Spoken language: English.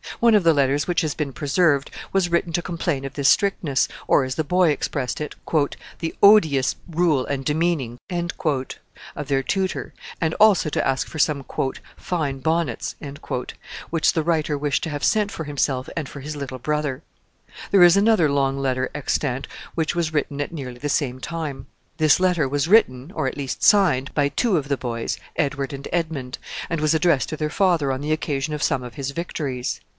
One of the letters, which has been preserved, was written to complain of this strictness, or, as the boy expressed it, "the odieux rule and demeaning" of their tutor, and also to ask for some "fyne bonnets," which the writer wished to have sent for himself and for his little brother. There is another long letter extant which was written at nearly the same time. This letter was written, or at least signed, by two of the boys, Edward and Edmund, and was addressed to their father on the occasion of some of his victories.